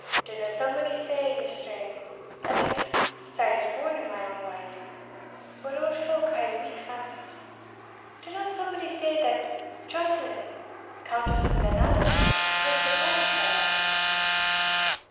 Didna somebody say yestreen at least sae it is borne in on my mind, but auld folk hae weak fancies did not somebody say that Joscelind, Countess of Glenallan, was departed frae life?"